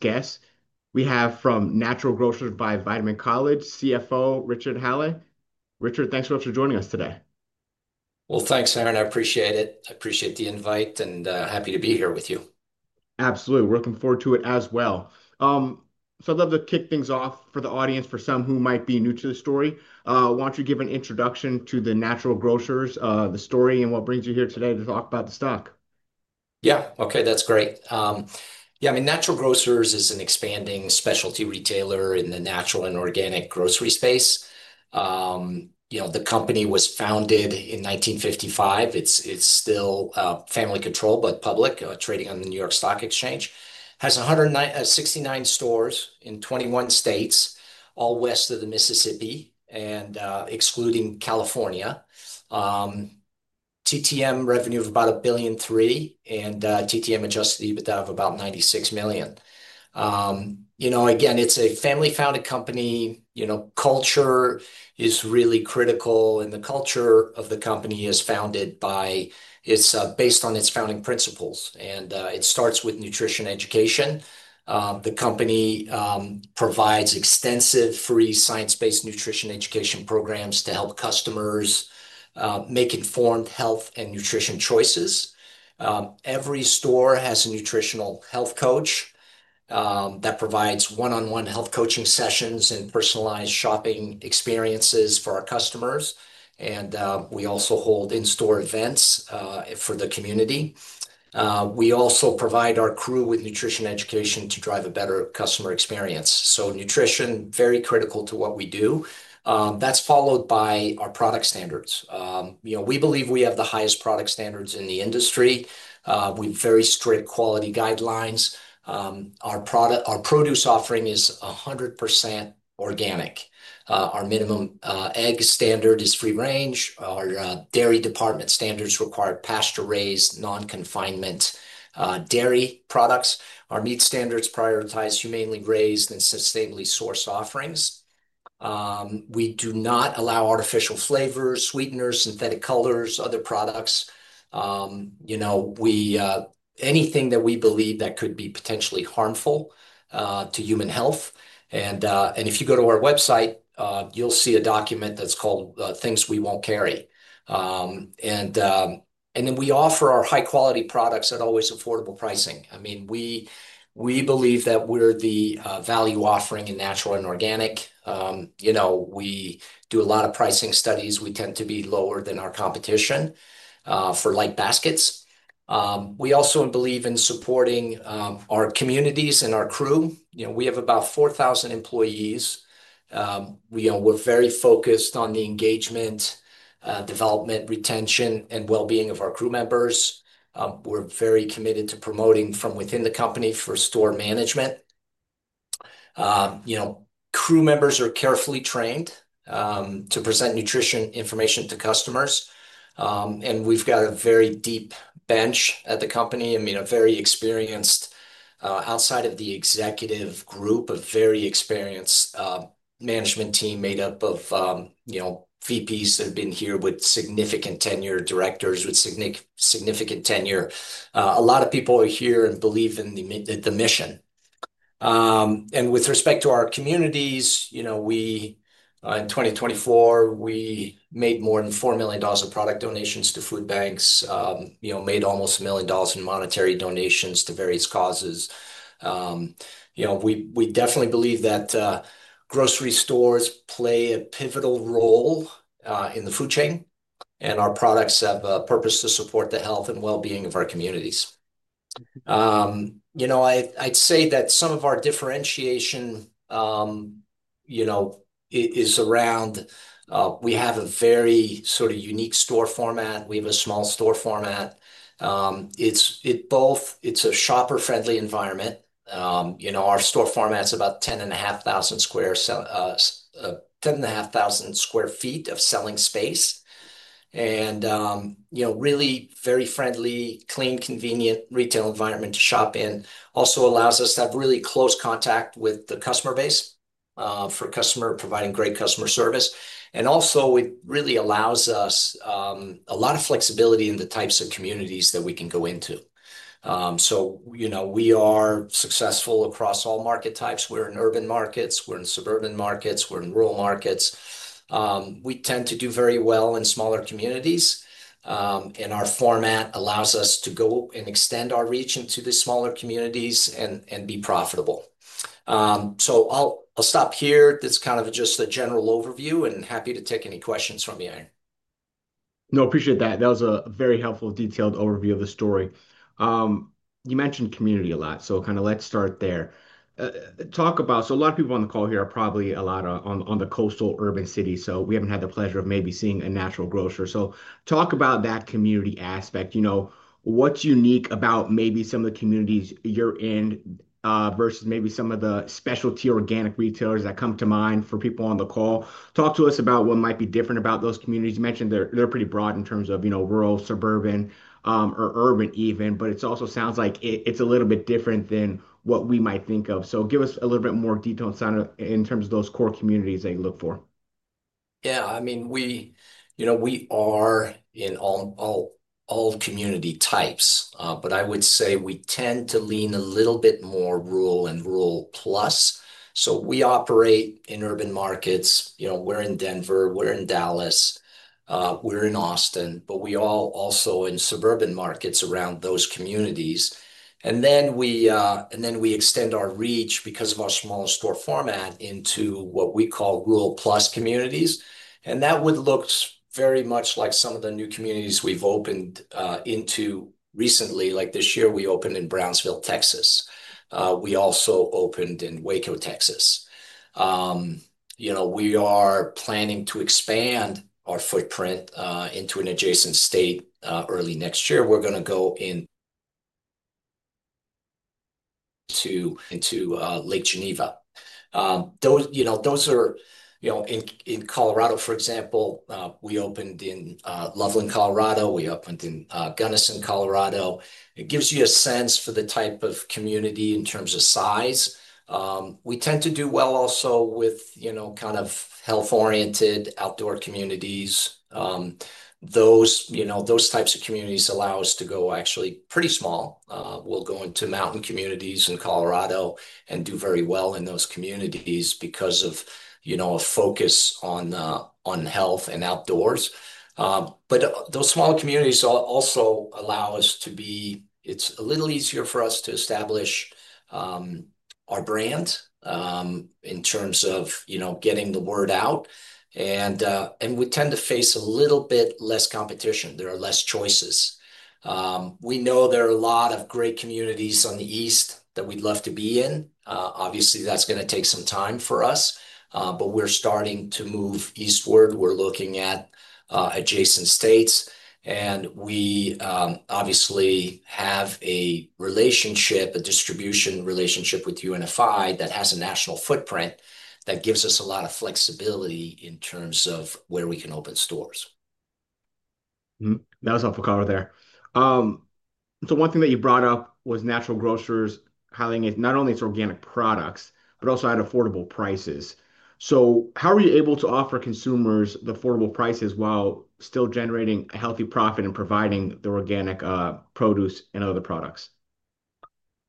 Guests we have from Natural Grocers by Vitamin Cottage, CFO Richard Hallé. Richard, thanks so much for joining us today. Thank you, Aaron. I appreciate it. I appreciate the invite and happy to be here with you. Absolutely. We're looking forward to it as well. I'd love to kick things off for the audience, for some who might be new to the story. Why don't you give an introduction to Natural Grocers by Vitamin Cottage, the story, and what brings you here today to talk about the stock? Yeah. Okay. That's great. Yeah, I mean, Natural Grocers is an expanding specialty retailer in the natural and organic grocery space. You know, the company was founded in 1955. It's still family controlled but public, trading on the New York Stock Exchange. It has 169 stores in 21 states, all west of the Mississippi, and excluding California. TTM revenue of about $1.3 billion, and TTM adjusted EBITDA of about $96 million. You know, again, it's a family-founded company. You know, culture is really critical, and the culture of the company is founded by, it's based on its founding principles, and it starts with nutrition education. The company provides extensive free science-based nutrition education programs to help customers make informed health and nutrition choices. Every store has a Nutritional Health Coach that provides one-on-one health coaching sessions and personalized shopping experiences for our customers. We also hold in-store events for the community. We also provide our crew with nutrition education to drive a better customer experience. Nutrition is very critical to what we do. That's followed by our product standards. You know, we believe we have the highest product standards in the industry. We have very strict quality guidelines. Our produce offering is 100% organic. Our minimum egg standard is free range. Our dairy department standards require pasture-raised, non-confinement dairy products. Our meat standards prioritize humanely raised and sustainably sourced offerings. We do not allow artificial flavors, sweeteners, synthetic colors, other products, anything that we believe that could be potentially harmful to human health. If you go to our website, you'll see a document that's called Things We Won't Carry. We offer our high-quality products at always affordable pricing. I mean, we believe that we're the value offering in natural and organic. You know, we do a lot of pricing studies. We tend to be lower than our competition for light baskets. We also believe in supporting our communities and our crew. You know, we have about 4,000 employees. You know, we're very focused on the engagement, development, retention, and wellbeing of our crew members. We're very committed to promoting from within the company for store management. Crew members are carefully trained to present nutrition information to customers. We've got a very deep bench at the company. I mean, a very experienced, outside of the executive group, a very experienced management team made up of VPs that have been here with significant tenure, directors with significant tenure. A lot of people are here and believe in the mission. With respect to our communities, in 2024, we made more than $4 million of product donations to food banks and made almost $1 million in monetary donations to various causes. We definitely believe that grocery stores play a pivotal role in the food chain, and our products have a purpose to support the health and wellbeing of our communities. I'd say that some of our differentiation is around, we have a very sort of unique store format. We have a small store format. It's a shopper-friendly environment. Our store format is about 10,500 square feet of selling space, and really a very friendly, clean, convenient retail environment to shop in. It also allows us to have really close contact with the customer base, providing great customer service. It really allows us a lot of flexibility in the types of communities that we can go into. We are successful across all market types. We're in urban markets, we're in suburban markets, we're in rural markets. We tend to do very well in smaller communities, and our format allows us to go and extend our reach into the smaller communities and be profitable. I'll stop here. This is kind of just a general overview and happy to take any questions from you, Aaron. No, I appreciate that. That was a very helpful, detailed overview of the story. You mentioned community a lot. Let's start there. Talk about, a lot of people on the call here are probably in the coastal urban cities, so we haven't had the pleasure of maybe seeing a Natural Grocers. Talk about that community aspect. You know, what's unique about maybe some of the communities you're in versus maybe some of the specialty organic retailers that come to mind for people on the call? Talk to us about what might be different about those communities. You mentioned they're pretty broad in terms of rural, suburban, or urban even, but it also sounds like it's a little bit different than what we might think of. Give us a little bit more detail in terms of those core communities they look for. Yeah, I mean, we are in all community types. I would say we tend to lean a little bit more rural and rural plus. We operate in urban markets. We're in Denver, we're in Dallas, we're in Austin, but we also are in suburban markets around those communities. We extend our reach because of our smaller store format into what we call rural plus communities. That would look very much like some of the new communities we've opened into recently. This year we opened in Brownsville, Texas. We also opened in Waco, Texas. We are planning to expand our footprint into an adjacent state early next year. We're going to go into Lake Geneva. Those are, in Colorado, for example, we opened in Loveland, Colorado. We opened in Gunnison, Colorado. It gives you a sense for the type of community in terms of size. We tend to do well also with kind of health-oriented outdoor communities. Those types of communities allow us to go actually pretty small. We'll go into mountain communities in Colorado and do very well in those communities because of a focus on health and outdoors. Those small communities also allow us to be, it's a little easier for us to establish our brand in terms of getting the word out. We tend to face a little bit less competition. There are less choices. We know there are a lot of great communities on the east that we'd love to be in. Obviously, that's going to take some time for us. We're starting to move eastward. We're looking at adjacent states. We obviously have a distribution relationship with UNFI that has a national footprint that gives us a lot of flexibility in terms of where we can open stores. That was awfully covered there. One thing that you brought up was Natural Grocers having not only its organic products, but also at affordable prices. How are you able to offer consumers the affordable prices while still generating a healthy profit and providing the organic produce and other products?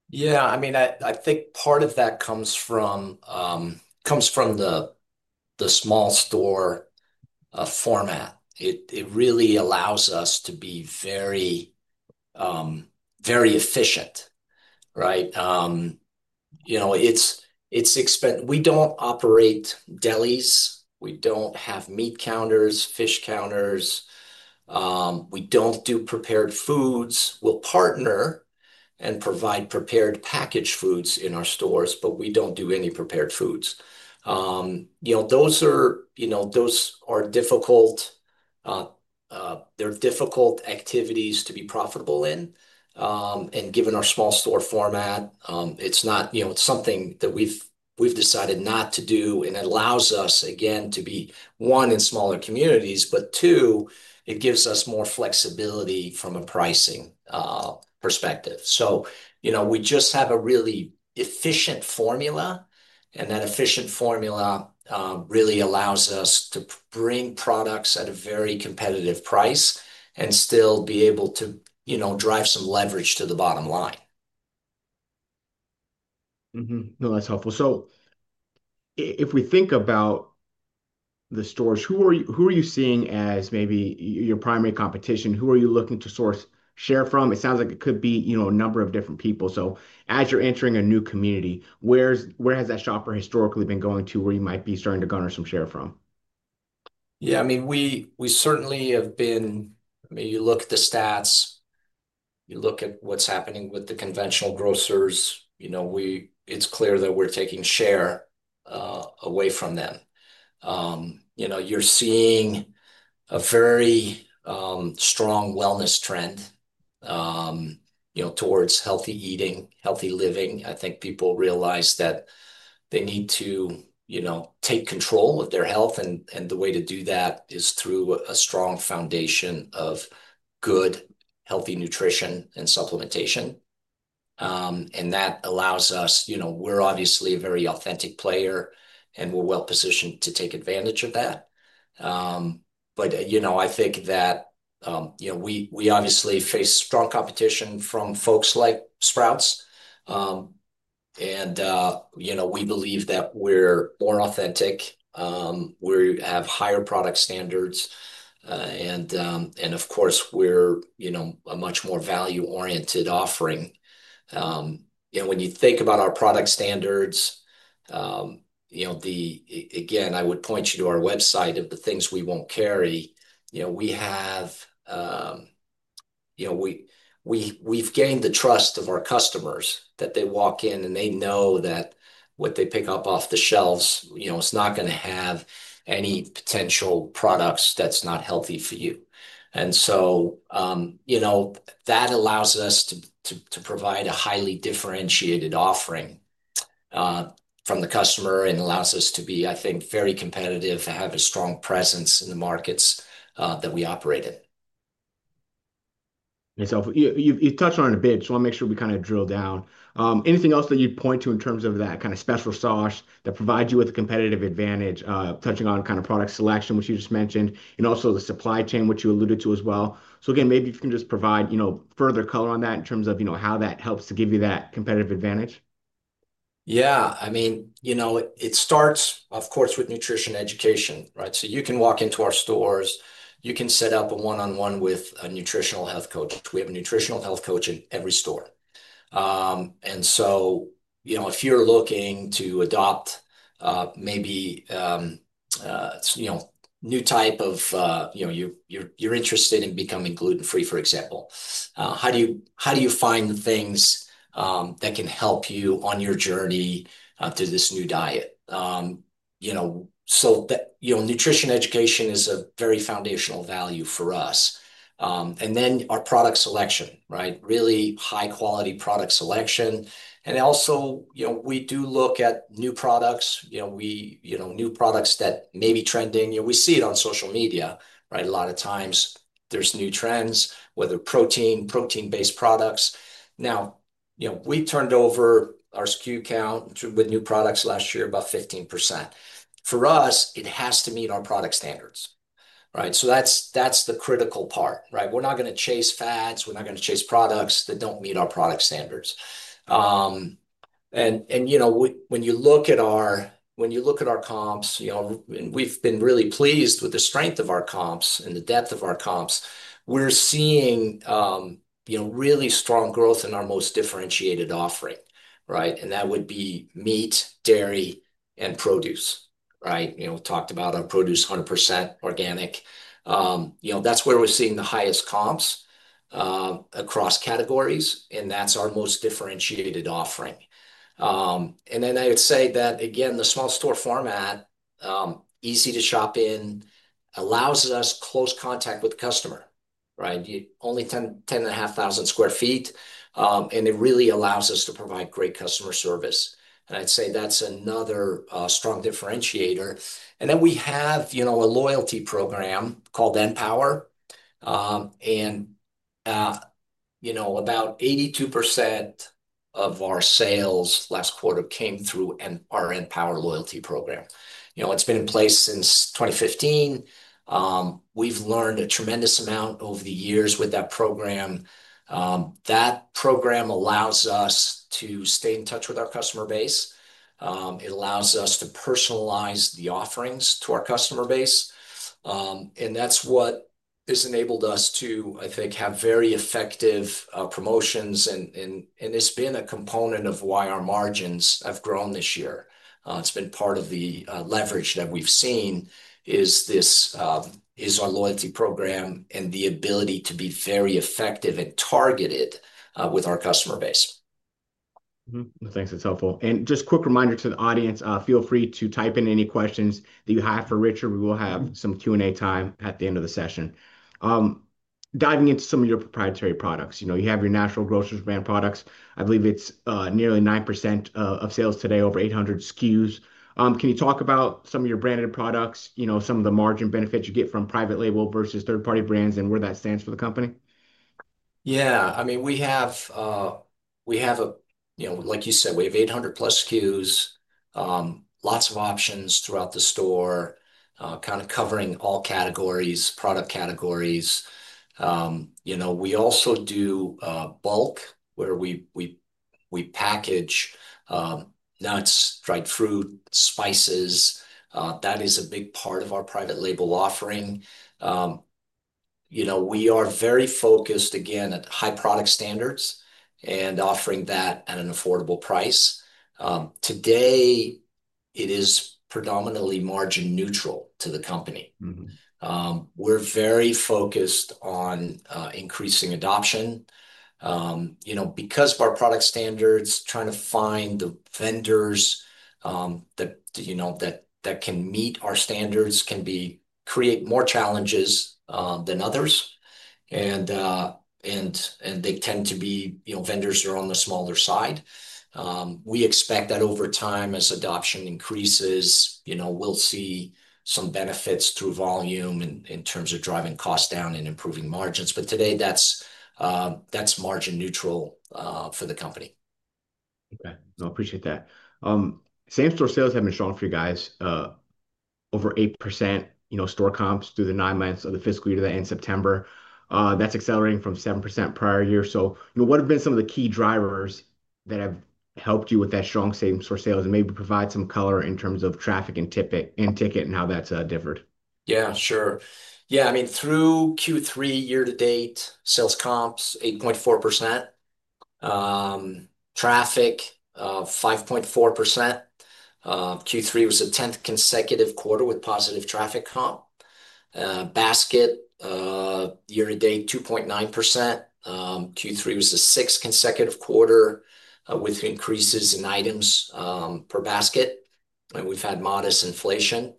Yeah, I mean, I think part of that comes from the small store format. It really allows us to be very, very efficient, right? It's expensive. We don't operate delis. We don't have meat counters, fish counters. We don't do prepared foods. We'll partner and provide prepared packaged foods in our stores, but we don't do any prepared foods. Those are difficult activities to be profitable in. Given our small store format, it's something that we've decided not to do. It allows us to be in smaller communities, and it gives us more flexibility from a pricing perspective. We just have a really efficient formula, and that efficient formula really allows us to bring products at a very competitive price and still be able to drive some leverage to the bottom line. No, that's helpful. If we think about the stores, who are you seeing as maybe your primary competition? Who are you looking to source share from? It sounds like it could be a number of different people. As you're entering a new community, where has that shopper historically been going to where you might be starting to garner some share from? Yeah, I mean, we certainly have been, I mean, you look at the stats, you look at what's happening with the conventional grocers, you know, it's clear that we're taking share away from them. You know, you're seeing a very strong wellness trend, you know, towards healthy eating, healthy living. I think people realize that they need to take control of their health. The way to do that is through a strong foundation of good, healthy nutrition and supplementation. That allows us, you know, we're obviously a very authentic player and we're well positioned to take advantage of that. You know, I think that we obviously face strong competition from folks like Sprouts. You know, we believe that we're more authentic. We have higher product standards, and of course, we're a much more value-oriented offering. When you think about our product standards, again, I would point you to our website of the things we won't carry. You know, we've gained the trust of our customers that they walk in and they know that what they pick up off the shelves, you know, it's not going to have any potential products that's not healthy for you. That allows us to provide a highly differentiated offering from the customer and allows us to be, I think, very competitive and have a strong presence in the markets that we operate in. It's helpful. You touched on it a bit, so I want to make sure we kind of drill down. Anything else that you'd point to in terms of that kind of special sauce that provides you with a competitive advantage, touching on kind of product selection, which you just mentioned, and also the supply chain, which you alluded to as well? Maybe you can just provide further color on that in terms of how that helps to give you that competitive advantage. Yeah, I mean, it starts, of course, with nutrition education, right? You can walk into our stores, you can set up a one-on-one with a Nutritional Health Coach. We have a Nutritional Health Coach in every store. If you're looking to adopt, maybe, a new type of, you know, you're interested in becoming gluten-free, for example, how do you find the things that can help you on your journey to this new diet? Nutrition education is a very foundational value for us. Then our product selection, right? Really high-quality product selection. Also, we do look at new products. New products that may be trending. We see it on social media, right? A lot of times there's new trends, whether protein, protein-based products. We turned over our SKU count with new products last year, about 15%. For us, it has to meet our product standards, right? That's the critical part, right? We're not going to chase fads. We're not going to chase products that don't meet our product standards. When you look at our comps, we've been really pleased with the strength of our comps and the depth of our comps. We're seeing really strong growth in our most differentiated offering, right? That would be meat, dairy, and produce, right? We talked about our produce, 100% organic. That's where we're seeing the highest comps across categories. That's our most differentiated offering. I would say that again, the small store format, easy to shop in, allows us close contact with the customer, right? You only tend to have 10,500 sq ft. It really allows us to provide great customer service. I'd say that's another strong differentiator. We have a loyalty program called {N}power rewards program. About 82% of our sales last quarter came through our {N}power rewards program. It's been in place since 2015. We've learned a tremendous amount over the years with that program. That program allows us to stay in touch with our customer base. It allows us to personalize the offerings to our customer base. That's what has enabled us to, I think, have very effective promotions. It's been a component of why our margins have grown this year. It's been part of the leverage that we've seen, is our loyalty program and the ability to be very effective and targeted with our customer base. Thanks. That's helpful. Just a quick reminder to the audience, feel free to type in any questions that you have for Richard. We will have some Q&A time at the end of the session. Diving into some of your proprietary products, you have your Natural Grocers brand products. I believe it's nearly 9% of sales today, over 800 SKUs. Can you talk about some of your branded products, some of the margin benefits you get from private label versus third-party brands, and where that stands for the company? Yeah, I mean, we have, you know, like you said, we have 800+ SKUs, lots of options throughout the store, kind of covering all categories, product categories. We also do bulk where we package nuts, dried fruit, spices. That is a big part of our private label offering. We are very focused, again, at high product standards and offering that at an affordable price. Today, it is predominantly margin-neutral to the company. We're very focused on increasing adoption. Because of our product standards, trying to find the vendors that can meet our standards can create more challenges than others. They tend to be vendors that are on the smaller side. We expect that over time, as adoption increases, we'll see some benefits through volume in terms of driving costs down and improving margins. Today, that's margin-neutral for the company. Okay. No, I appreciate that. Same-store sales have been showing for you guys, over 8%, you know, store comps through the nine months of the fiscal year that ends September. That's accelerating from 7% prior year. What have been some of the key drivers that have helped you with that strong same-store sales and maybe provide some color in terms of traffic and ticket and how that's differed? Yeah, sure. I mean, through Q3, year-to-date sales comps, 8.4%. Traffic, 5.4%. Q3 was the 10th consecutive quarter with positive traffic comp. Basket, year-to-date 2.9%. Q3 was the sixth consecutive quarter with increases in items per basket. We've had modest inflation.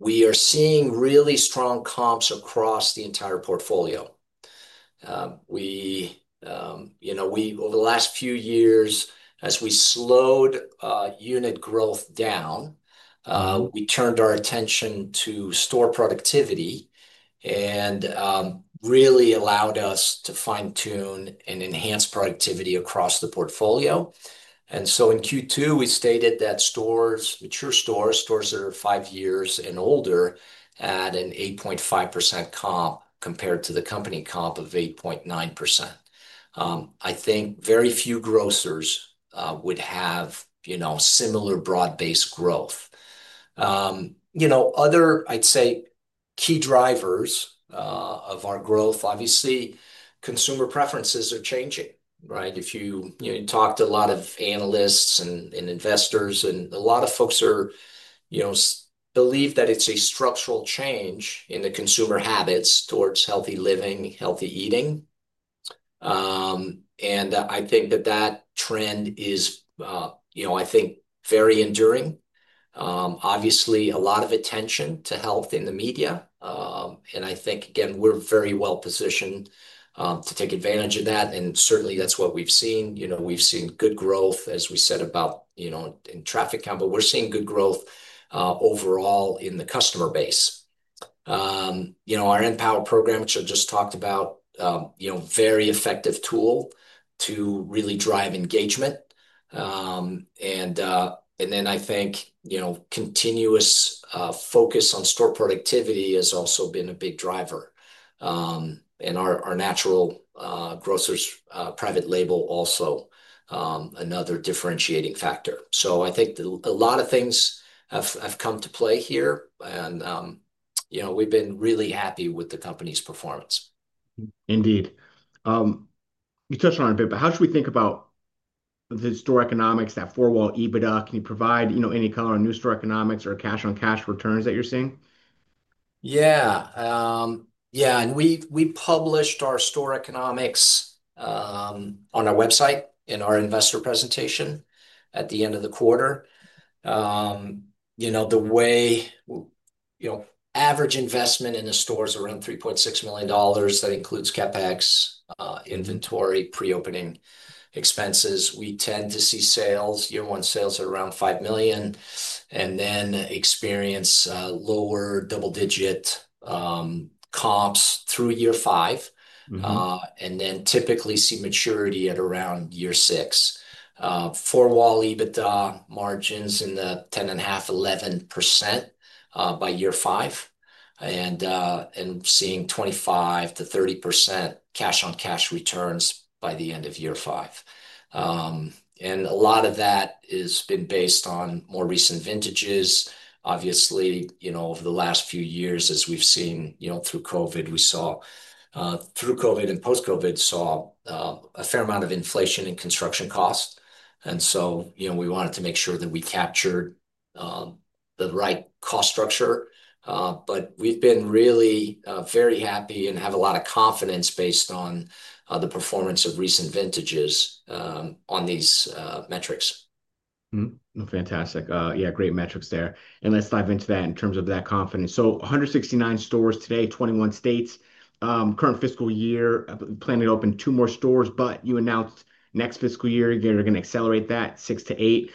We are seeing really strong comps across the entire portfolio. Over the last few years, as we slowed unit growth down, we turned our attention to store productivity and really allowed us to fine-tune and enhance productivity across the portfolio. In Q2, we stated that mature stores, stores that are five years and older, had an 8.5% comp compared to the company comp of 8.9%. I think very few grocers would have similar broad-based growth. Other key drivers of our growth, obviously, consumer preferences are changing, right? If you talked to a lot of analysts and investors, a lot of folks believe that it's a structural change in the consumer habits towards healthy living, healthy eating. I think that trend is very enduring. Obviously, a lot of attention to health in the media. I think, again, we're very well positioned to take advantage of that. Certainly, that's what we've seen. We've seen good growth, as we said, in traffic count, but we're seeing good growth overall in the customer base. Our {N}power rewards program, which I just talked about, is a very effective tool to really drive engagement. Continuous focus on store productivity has also been a big driver. Our Natural Grocers brand products private label also, another differentiating factor. I think a lot of things have come to play here. We've been really happy with the company's performance. Indeed, you touched on it a bit, but how should we think about the store economics, that four-wall EBITDA? Can you provide any color on new store economics or cash-on-cash returns that you're seeing? Yeah, we published our store economics on our website in our investor presentation at the end of the quarter. You know, the way, you know, average investment in the stores is around $3.6 million. That includes CapEx, inventory, pre-opening expenses. We tend to see year-one sales are around $5 million, and then experience lower double-digit comps through year five. We typically see maturity at around year six. Four-wall EBITDA margins in the 10.5%, 11% range by year five, and seeing 25%-30% cash-on-cash returns by the end of year five. A lot of that has been based on more recent vintages. Obviously, over the last few years, as we've seen through COVID and post-COVID, we saw a fair amount of inflation in construction costs. We wanted to make sure that we captured the right cost structure, but we've been really very happy and have a lot of confidence based on the performance of recent vintages on these metrics. Fantastic. Yeah, great metrics there. Let's dive into that in terms of that confidence. So, 169 stores today, 21 states, current fiscal year, planning to open two more stores, but you announced next fiscal year you're going to accelerate that, six to eight.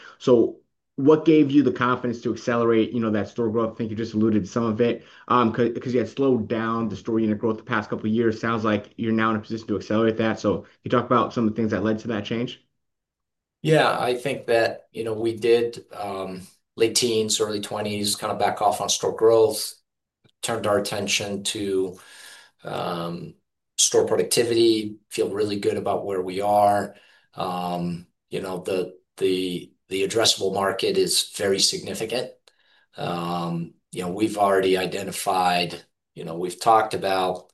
What gave you the confidence to accelerate that store growth? I think you just alluded to some of it because you had slowed down the store unit growth the past couple of years. It sounds like you're now in a position to accelerate that. Can you talk about some of the things that led to that change? Yeah, I think that, you know, we did, late teens, early twenties, kind of back off on store growth, turned our attention to store productivity, feel really good about where we are. You know, the addressable market is very significant. You know, we've already identified, you know, we've talked about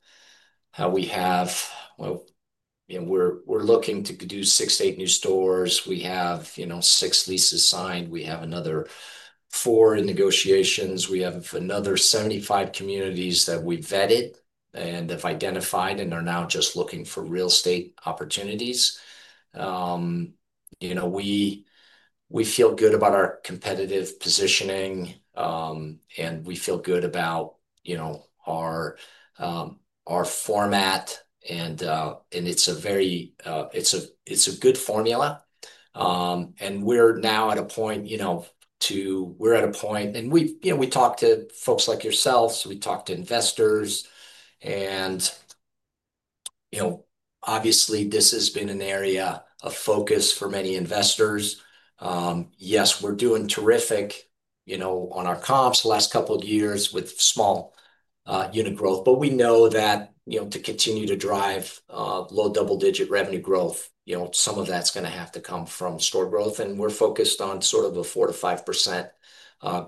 how we have, you know, we're looking to do six, eight new stores. We have six leases signed. We have another four in negotiations. We have another 75 communities that we vetted and have identified and are now just looking for real estate opportunities. You know, we feel good about our competitive positioning, and we feel good about our format. It's a very, it's a good formula. We're now at a point, you know, we talk to folks like yourselves, we talk to investors, and obviously, this has been an area of focus for many investors. Yes, we're doing terrific, you know, on our comps the last couple of years with small unit growth, but we know that to continue to drive low double-digit revenue growth, some of that's going to have to come from store growth. We're focused on sort of a 4%-5%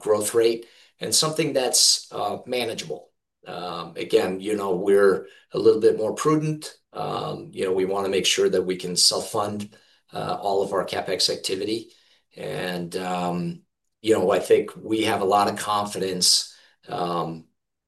growth rate and something that's manageable. Again, you know, we're a little bit more prudent. We want to make sure that we can self-fund all of our CapEx activity. I think we have a lot of confidence.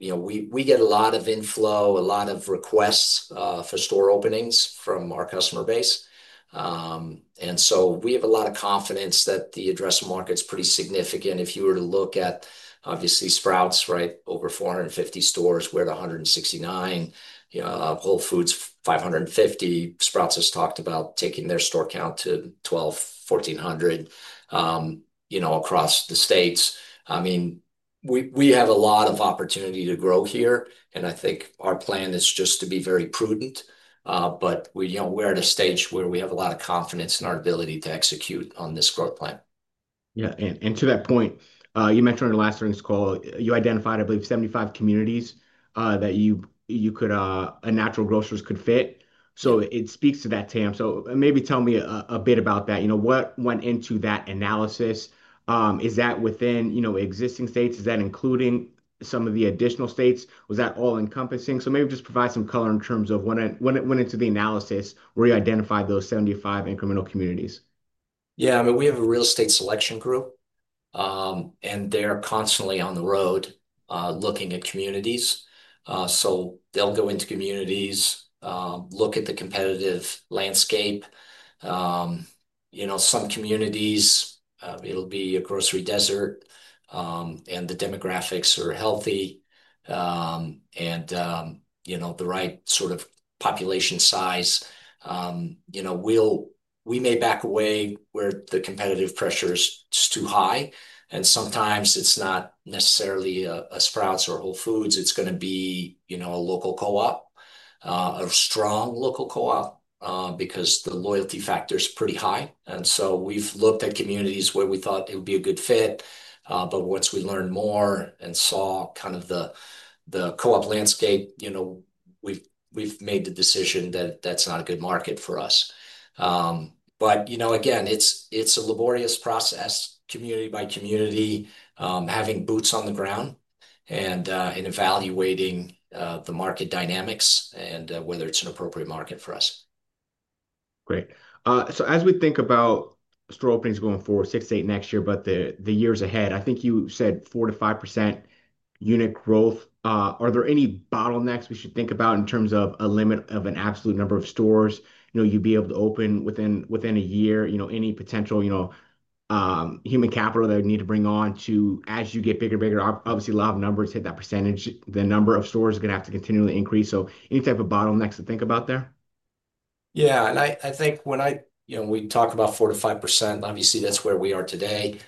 We get a lot of inflow, a lot of requests for store openings from our customer base, and so we have a lot of confidence that the addressable market is pretty significant. If you were to look at, obviously, Sprouts, right, over 450 stores, we're at 169, you know, Whole Foods Market 550. Sprouts has talked about taking their store count to 1,200, 1,400, you know, across the states. I mean, we have a lot of opportunity to grow here. I think our plan is just to be very prudent, but we're at a stage where we have a lot of confidence in our ability to execute on this growth plan. Yeah. To that point, you mentioned in the last earnings call, you identified, I believe, 75 communities that Natural Grocers could fit. It speaks to that, Tim. Maybe tell me a bit about that. What went into that analysis? Is that within existing states? Is that including some of the additional states? Was that all-encompassing? Maybe just provide some color in terms of what went into the analysis, where you identified those 75 incremental communities. Yeah, I mean, we have a real estate selection group, and they're constantly on the road, looking at communities. They'll go into communities, look at the competitive landscape. Some communities, it'll be a grocery desert, and the demographics are healthy, and the right sort of population size. We may back away where the competitive pressure is just too high. Sometimes it's not necessarily a Sprouts or Whole Foods. It's going to be a local co-op, a strong local co-op, because the loyalty factor is pretty high. We've looked at communities where we thought it would be a good fit, but once we learned more and saw kind of the co-op landscape, we've made the decision that that's not a good market for us. Again, it's a laborious process, community by community, having boots on the ground and evaluating the market dynamics and whether it's an appropriate market for us. Great. As we think about store openings going forward, six to eight next year, but the years ahead, I think you said 4%-5% unit growth. Are there any bottlenecks we should think about in terms of a limit of an absolute number of stores you'd be able to open within a year? Any potential human capital that would need to bring on to, as you get bigger and bigger, obviously a lot of numbers hit that percentage, the number of stores are going to have to continually increase. Any type of bottlenecks to think about there? Yeah, and I think when I, you know, we talk about 4%-5%, obviously that's where we are today.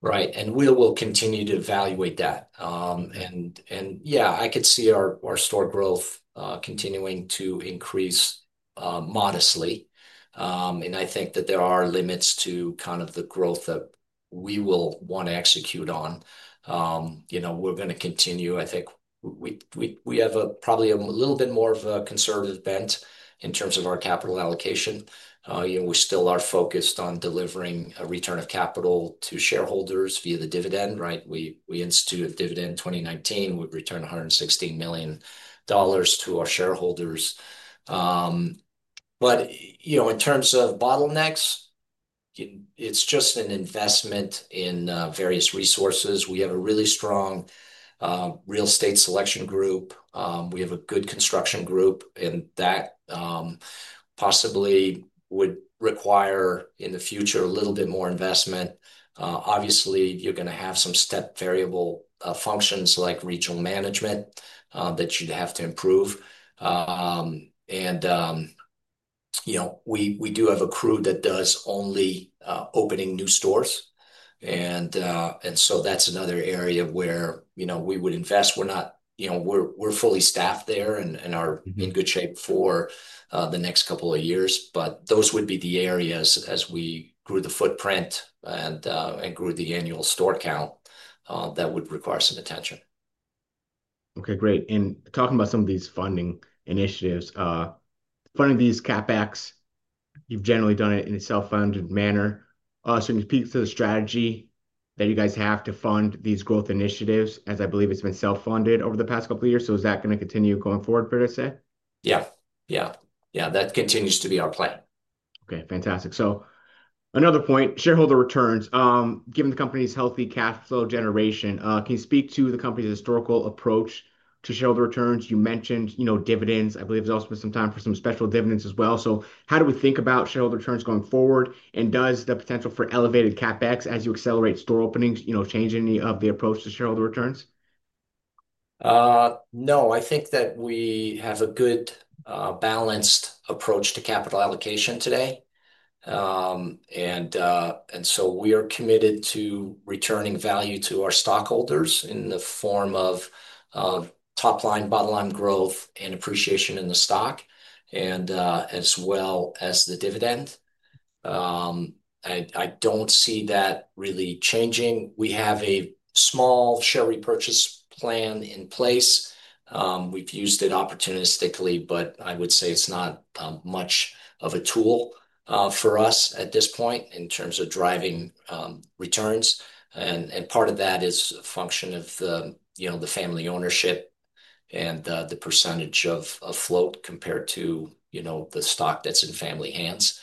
Right. We will continue to evaluate that, and yeah, I could see our store growth continuing to increase modestly. I think that there are limits to kind of the growth that we will want to execute on. You know, we're going to continue, I think we have probably a little bit more of a conservative bent in terms of our capital allocation. You know, we still are focused on delivering a return of capital to shareholders via the dividend, right? We instituted the dividend in 2019, we returned $116 million to our shareholders. In terms of bottlenecks, it's just an investment in various resources. We have a really strong real estate selection group. We have a good construction group and that possibly would require in the future a little bit more investment. Obviously, you're going to have some step variable functions like regional management that you'd have to improve. You know, we do have a crew that does only opening new stores, and so that's another area where we would invest. We're not, you know, we're fully staffed there and are in good shape for the next couple of years. Those would be the areas as we grew the footprint and grew the annual store count that would require some attention. Okay, great. Talking about some of these funding initiatives, funding these CapEx, you've generally done it in a self-funded manner. Can you speak to the strategy that you guys have to fund these growth initiatives, as I believe it's been self-funded over the past couple of years? Is that going to continue going forward, per se? Yeah, that continues to be our plan. Okay, fantastic. Another point, shareholder returns. Given the company's healthy cash flow generation, can you speak to the company's historical approach to shareholder returns? You mentioned, you know, dividends. I believe there's also been some time for some special dividends as well. How do we think about shareholder returns going forward? Does the potential for elevated CapEx as you accelerate store openings, you know, change any of the approach to shareholder returns? No, I think that we have a good, balanced approach to capital allocation today, and so we are committed to returning value to our stockholders in the form of top line, bottom line growth and appreciation in the stock, as well as the dividend. I don't see that really changing. We have a small share repurchase plan in place. We've used it opportunistically, but I would say it's not much of a tool for us at this point in terms of driving returns. Part of that is a function of the family ownership and the percentage of float compared to the stock that's in family hands.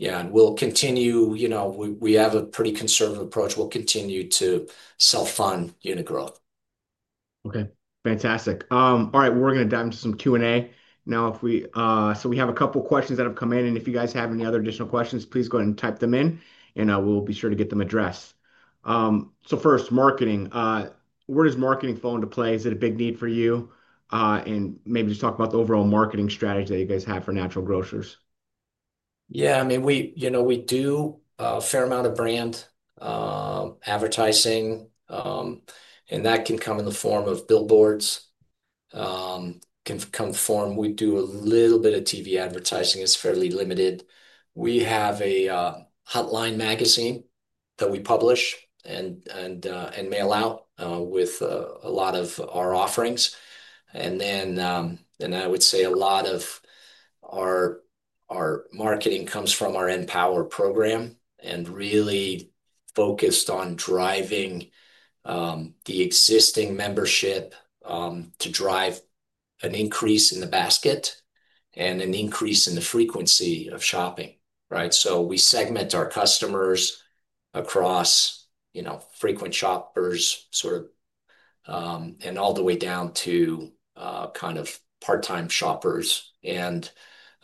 Yeah, and we'll continue, you know, we have a pretty conservative approach. We'll continue to self-fund unit growth. Okay, fantastic. All right, we're going to dive into some Q&A now. We have a couple of questions that have come in, and if you guys have any other additional questions, please go ahead and type them in, and we'll be sure to get them addressed. First, marketing, where does marketing fall into play? Is it a big need for you? Maybe just talk about the overall marketing strategy that you guys have for Natural Grocers. Yeah, I mean, we do a fair amount of brand advertising, and that can come in the form of billboards, can come form. We do a little bit of TV advertising. It's fairly limited. We have a hotline magazine that we publish and mail out, with a lot of our offerings. I would say a lot of our marketing comes from our {N}power rewards program and really focused on driving the existing membership to drive an increase in the Basket and an increase in the frequency of shopping, right? We segment our customers across, you know, frequent shoppers, sort of, and all the way down to kind of part-time shoppers. We're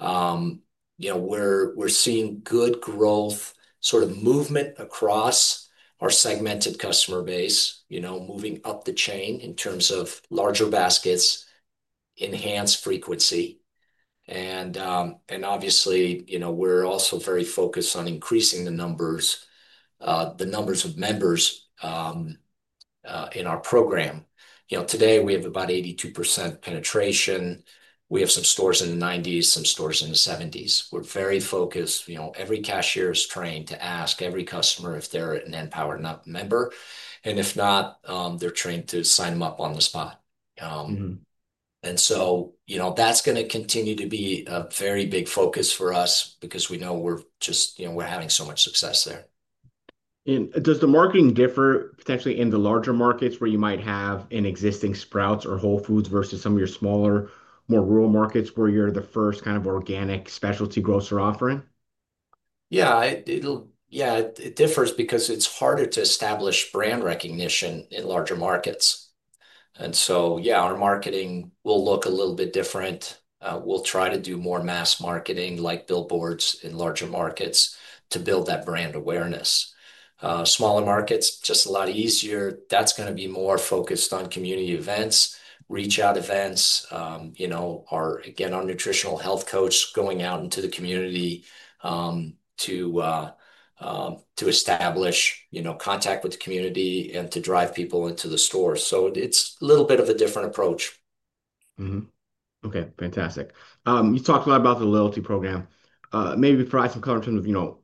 seeing good growth, sort of movement across our segmented customer base, moving up the chain in terms of larger baskets, enhanced frequency. Obviously, we're also very focused on increasing the numbers, the numbers of members in our program. Today we have about 82% penetration. We have some stores in the 90s, some stores in the 70s. We're very focused. Every cashier is trained to ask every customer if they're an {N}power member. If not, they're trained to sign them up on the spot. That's going to continue to be a very big focus for us because we know we're just, you know, we're having so much success there. Does the marketing differ potentially in the larger markets where you might have an existing Sprouts or Whole Foods versus some of your smaller, more rural markets where you're the first kind of organic specialty grocer offering? Yeah, it differs because it's harder to establish brand recognition in larger markets. Our marketing will look a little bit different. We'll try to do more mass marketing like billboards in larger markets to build that brand awareness. Smaller markets are just a lot easier. That's going to be more focused on community events, reach out events, or again, our nutritional health coach going out into the community to establish contact with the community and to drive people into the store. It's a little bit of a different approach. Mm-hmm. Okay, fantastic. You talked a lot about the loyalty program. Maybe provide some color in terms of, you know,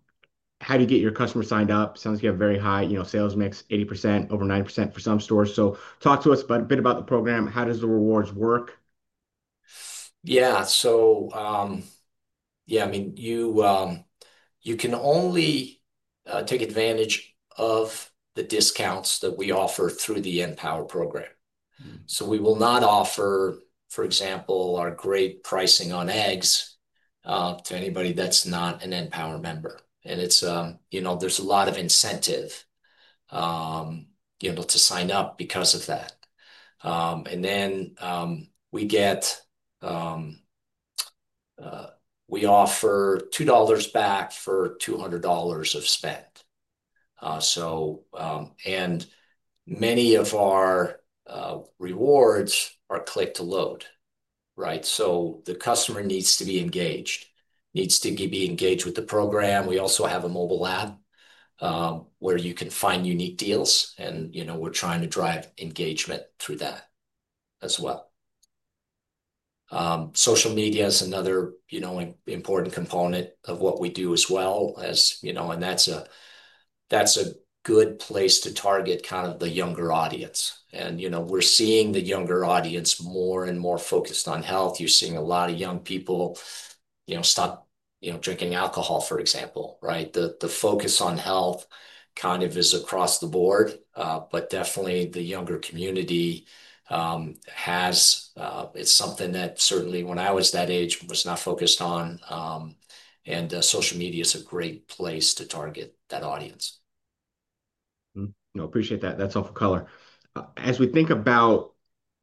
how do you get your customers signed up? Sounds like you have a very high, you know, sales mix, 80% over 90% for some stores. Talk to us a bit about the program. How does the rewards work? Yeah, you can only take advantage of the discounts that we offer through the {N}power rewards program. We will not offer, for example, our great pricing on eggs to anybody that's not an {N}power member. There's a lot of incentive to sign up because of that. We offer $2 back for $200 of spend, and many of our rewards are click-to-load, right? The customer needs to be engaged, needs to be engaged with the program. We also have a mobile app where you can find unique deals, and we're trying to drive engagement through that as well. Social media is another important component of what we do, and that's a good place to target kind of the younger audience. We're seeing the younger audience more and more focused on health. You're seeing a lot of young people stop drinking alcohol, for example, right? The focus on health is kind of across the board. Definitely the younger community, it's something that certainly when I was that age was not focused on. Social media is a great place to target that audience. I appreciate that. That's all for color. As we think about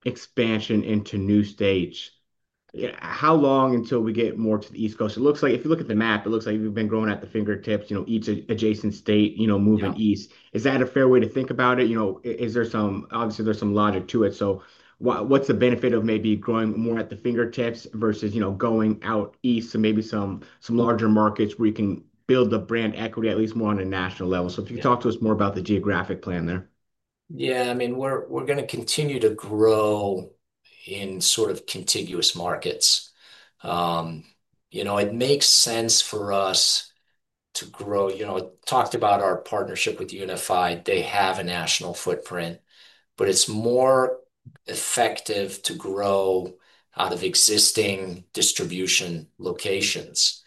expansion into new states, how long until we get more to the East Coast? It looks like if you look at the map, it looks like you've been growing at the fingertips, each adjacent state, moving east. Is that a fair way to think about it? Obviously, there's some logic to it. What's the benefit of maybe growing more at the fingertips versus going out east to maybe some larger markets where you can build the brand equity at least more on a national level? If you could talk to us more about the geographic plan there. Yeah, I mean, we're going to continue to grow in sort of contiguous markets. You know, it makes sense for us to grow. I talked about our partnership with Unified. They have a national footprint, but it's more effective to grow out of existing distribution locations.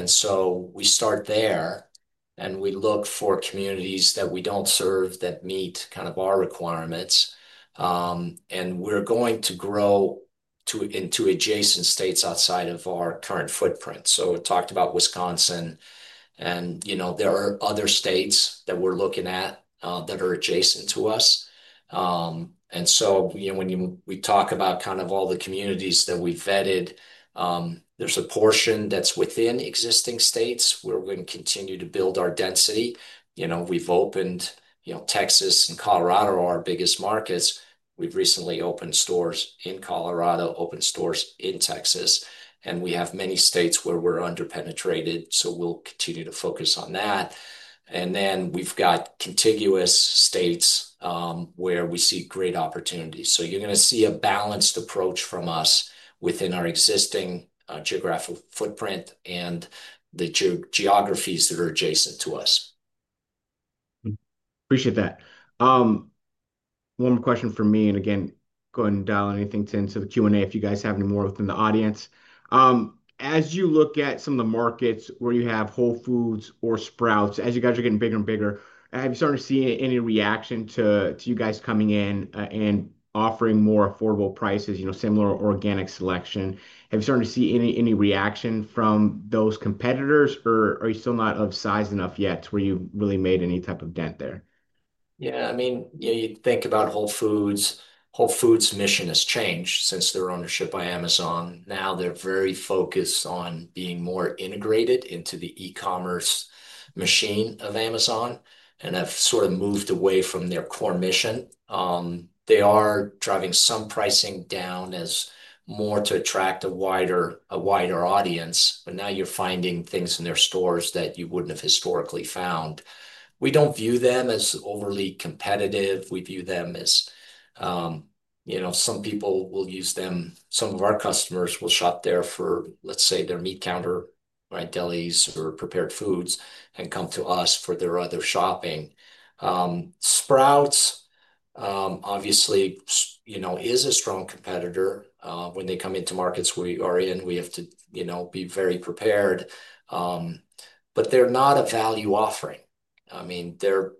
We start there and we look for communities that we don't serve that meet kind of our requirements. We're going to grow into adjacent states outside of our current footprint. We talked about Wisconsin, and there are other states that we're looking at that are adjacent to us. When we talk about kind of all the communities that we vetted, there's a portion that's within existing states where we're going to continue to build our density. We've opened Texas and Colorado are our biggest markets. We've recently opened stores in Colorado, opened stores in Texas, and we have many states where we're underpenetrated. We'll continue to focus on that. We've got contiguous states where we see great opportunities. You're going to see a balanced approach from us within our existing geographical footprint and the geographies that are adjacent to us. Appreciate that. One more question from me, and again, go ahead and dial anything to the Q&A if you guys have any more within the audience. As you look at some of the markets where you have Whole Foods or Sprouts, as you guys are getting bigger and bigger, have you started to see any reaction to you guys coming in and offering more affordable prices, you know, similar organic selection? Have you started to see any reaction from those competitors, or are you still not of size enough yet to where you really made any type of dent there? Yeah, I mean, you know, you think about Whole Foods. Whole Foods' mission has changed since their ownership by Amazon. Now they're very focused on being more integrated into the e-commerce machine of Amazon and have sort of moved away from their core mission. They are driving some pricing down to attract a wider, a wider audience, but now you're finding things in their stores that you wouldn't have historically found. We don't view them as overly competitive. We view them as, you know, some people will use them. Some of our customers will shop there for, let's say, their meat counter, right? Deli's or prepared foods and come to us for their other shopping. Sprouts, obviously, is a strong competitor when they come into markets where you are in. We have to be very prepared, but they're not a value offering. I mean, they're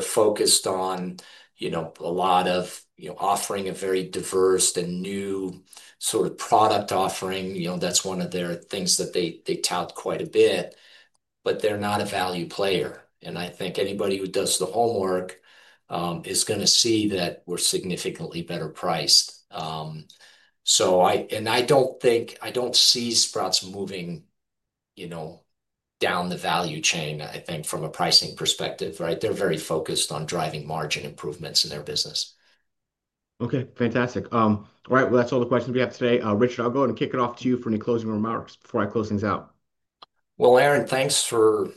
focused on, you know, a lot of offering a very diverse and new sort of product offering. That's one of their things that they tout quite a bit, but they're not a value player. I think anybody who does the homework is going to see that we're significantly better priced. I don't see Sprouts moving down the value chain, I think, from a pricing perspective. They're very focused on driving margin improvements in their business. Okay, fantastic. All right. That's all the questions we have today. Richard, I'll go ahead and kick it off to you for any closing remarks before I close things out. Aaron, thanks for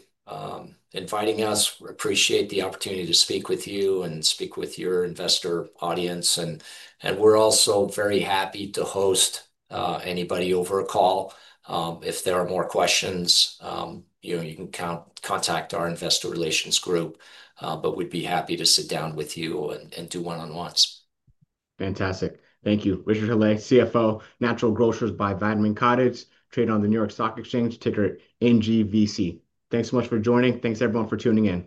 inviting us. Appreciate the opportunity to speak with you and speak with your investor audience. We're also very happy to host anybody over a call. If there are more questions, you know, you can contact our investor relations group, but we'd be happy to sit down with you and do one-on-ones. Fantastic. Thank you, Richard Hallé, CFO, Natural Grocers by Vitamin Cottage, traded on the New York Stock Exchange, ticker NGVC. Thanks so much for joining. Thanks everyone for tuning in.